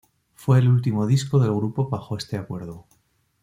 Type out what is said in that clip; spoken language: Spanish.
Fue el último disco del grupo bajo este acuerdo.